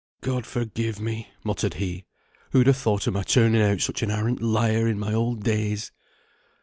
God forgive me!" muttered he, "who'd ha' thought of my turning out such an arrant liar in my old days?"